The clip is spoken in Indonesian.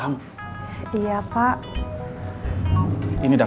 terima kasih pak